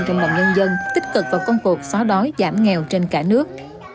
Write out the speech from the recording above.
trong lòng nhân dân tích cực vào công cuộc xóa đói giảm nghèo trên cả nước